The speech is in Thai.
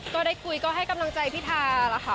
ก็ได้คุยก็ให้กำลังใจพิธาล่ะค่ะ